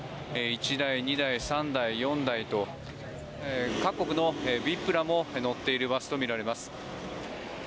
１台、２台、３台、４台と各国のＶＩＰらも乗っているバスとみられます。